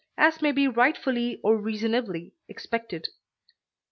as may be rightfully or reasonably expected.